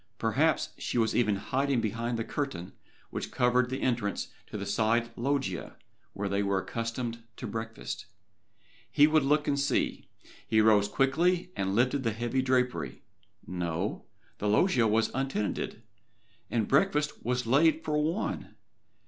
Perhaps she was even hiding behind the curtain which covered the entrance to the side loggia where they were accustomed to breakfast. He would look and see. He rose quickly and lifted the heavy drapery. No the loggia was untenanted, and breakfast was laid for one!